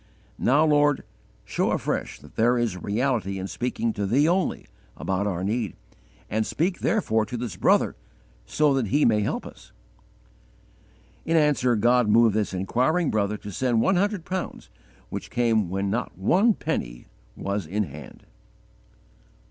Now, Lord, show afresh that there is reality in speaking to Thee only, about our need, and speak therefore to this brother so that he may help us." In answer, God moved this inquiring brother to send one hundred pounds, which came when _not one penny was in hand.